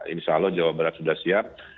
insya allah jawa barat sudah siap